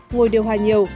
ngồi điều hoài nhiều